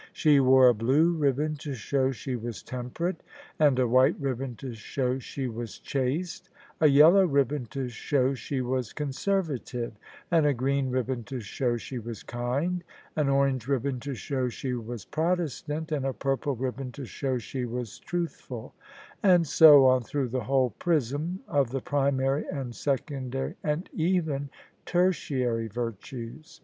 She wore a blue ribbon to show she was temperate, and a white ribbon to show she was chaste: a yellow ribbon to show she was Q)nservative, and a green ribbon to show she was kind : an orange ribbon to show she was Protestant, and a purple ribbon to show she was truth ful : and so on through the whole prism of the primary and secondary and even tertiary virtues.